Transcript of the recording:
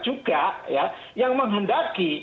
juga yang menghendaki